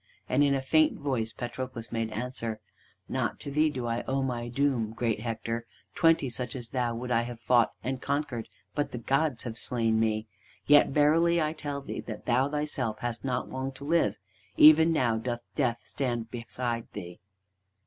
And in a faint voice Patroclus made answer: "Not to thee do I owe my doom, great Hector. Twenty such as thou would I have fought and conquered, but the gods have slain me. Yet verily I tell thee that thou thyself hast not long to live. Even now doth Death stand beside thee!"